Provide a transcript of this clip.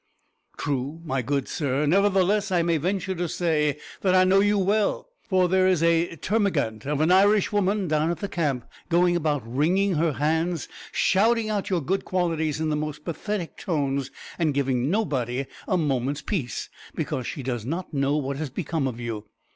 "True, my good sir; nevertheless I may venture to say that I know you well, for there's a termagant of an Irish woman down at the camp going about wringing her hands, shouting out your good qualities in the most pathetic tones, and giving nobody a moment's peace because she does not know what has become of you.